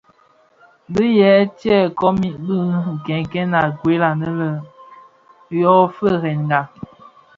Be yii tsè kōm bi nkènèn a gued anë yō Ifëërèna.